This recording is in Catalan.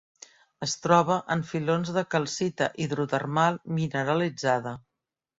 Es troba en filons de calcita hidrotermal mineralitzada.